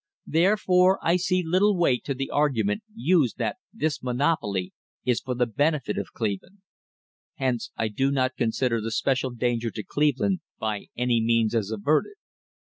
Therefore I see little weight to the argument used that this monopoly is for the benefit of Cleveland. Hence, I do not consider the special danger to Cleveland by any means as averted.